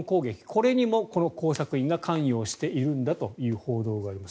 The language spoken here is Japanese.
これにもこの工作員が関与しているんだという報道があります。